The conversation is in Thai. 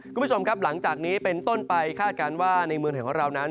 คุณผู้ชมครับหลังจากนี้เป็นต้นไปคาดการณ์ว่าในเมืองไทยของเรานั้น